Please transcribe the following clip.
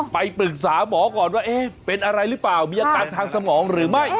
ไปปรึกษาหมอก่อนว่าเป็นอะไรหรือเปล่ามีอาการทางสมองหรือไม่